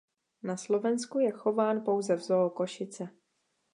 Na Slovensku je chován pouze v Zoo Košice.